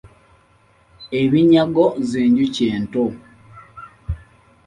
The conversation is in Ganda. Ebinyago z’enjuki ento.